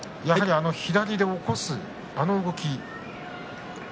左で起こすあの動き。